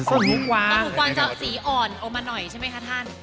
ปลาหูกวางจะสีอ่อนออกมาหน่อยใช่ไหมคะท่าน